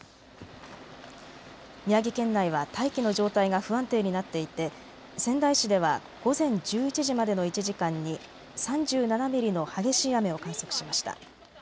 宮城県内は大気の状態が不安定になっていて仙台市では午前１１時までの１時間に３７ミリの激しい雨を観測しました。